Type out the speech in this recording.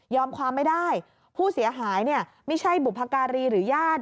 ความไม่ได้ผู้เสียหายเนี่ยไม่ใช่บุพการีหรือญาติ